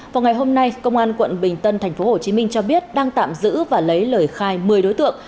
vào ngày hôm nay công an quận bình tân tp hcm cho biết đang tạm giữ và lấy lời khai một mươi đối tượng